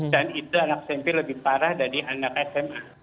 dan itu anak smp lebih parah dari anak smp